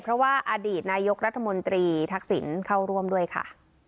เพราะว่าอดีตนายกรัฐมนตรีทักษิณเข้าร่วมด้วยค่ะ